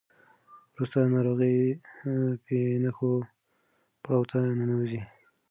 وروسته ناروغ بې نښو پړاو ته ننوځي.